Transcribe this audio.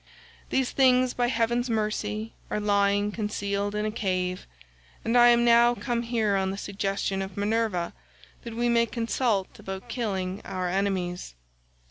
These things by heaven's mercy are lying concealed in a cave, and I am now come here on the suggestion of Minerva that we may consult about killing our enemies.